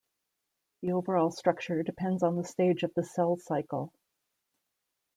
The overall structure depends on the stage of the cell cycle.